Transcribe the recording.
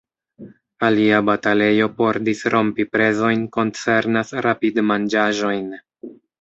Alia batalejo por disrompi prezojn koncernas rapid-manĝaĵojn.